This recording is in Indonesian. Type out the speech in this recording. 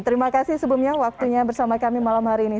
terima kasih sebelumnya waktunya bersama kami malam hari ini